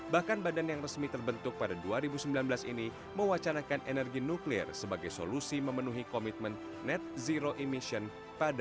bahkan badan yang resmi terbentuk pada dua ribu sembilan belas ini mewacanakan energi nuklir sebagai solusi memenuhi komitmen net zero emission pada dua ribu dua puluh